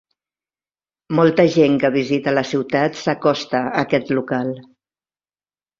Molta gent que visita la ciutat s'acosta a aquest local.